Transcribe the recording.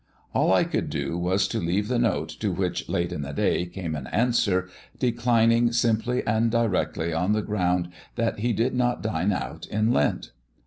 All I could do was to leave the note, to which late in the day came an answer, declining simply and directly on the ground that he did not dine out in Lent.